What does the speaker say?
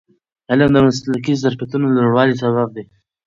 علم د مسلکي ظرفیتونو د لوړوالي سبب دی.